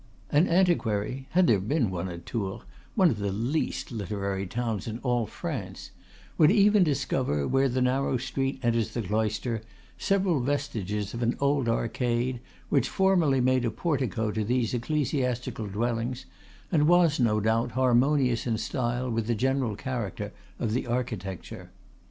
An antiquary (had there been one at Tours, one of the least literary towns in all France) would even discover, where the narrow street enters the Cloister, several vestiges of an old arcade, which formerly made a portico to these ecclesiastical dwellings, and was, no doubt, harmonious in style with the general character of the architecture.